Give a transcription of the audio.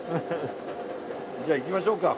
じゃあ行きましょうか？